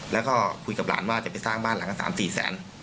แล้วก็คุยกับหลานว่าจะไปสร้างบ้านหลัง๓๔แสน